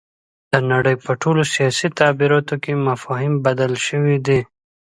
د نړۍ په ټولو سیاسي تعبیراتو کې مفاهیم بدل شوي دي.